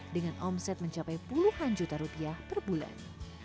dengan omset mencapai puluhan juta rupiah per bulan